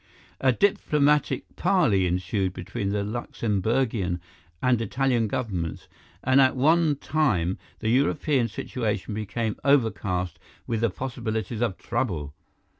"A diplomatic parley ensued between the Luxemburgian and Italian Governments, and at one time the European situation became overcast with the possibilities of trouble.